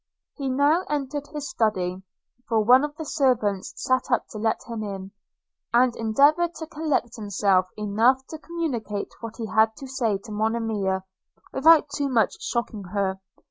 He now entered his Study (for one of the servants sat up to let him in), and endeavoured to collect himself enough to communicate what he had to say to Monimia, without too much shocking her.